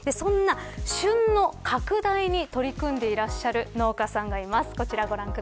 そんな旬の拡大に取り組んでいらっしゃる農家さんがいます。